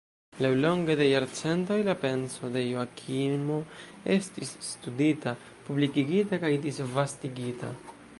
Laŭlonge de jarcentoj la penso de Joakimo estis studita, publikigita kaj disvastigita.